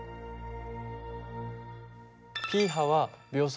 Ｐ波は秒速